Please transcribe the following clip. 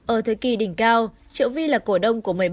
ở thời kỳ đỉnh cao triệu vi là một trong những tài sản